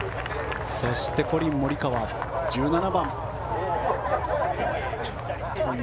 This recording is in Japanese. そして、コリン・モリカワ１７番。